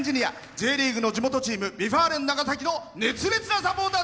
Ｊリーグの地元チームＶ・ファーレン長崎の熱烈なサポーター。